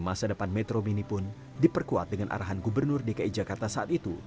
masa depan metro mini pun diperkuat dengan arahan gubernur dki jakarta saat itu